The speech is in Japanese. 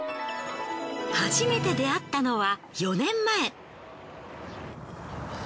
初めて出会ったのは４年前。